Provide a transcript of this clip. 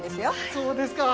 そうですか。